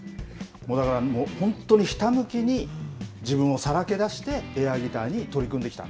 もうだから、本当にひたむきに自分をさらけ出してエアギターに取り組んできた。